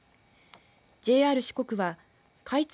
ＪＲ四国は開通